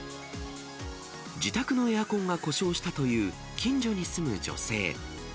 自宅のエアコンが故障したという近所に住む女性。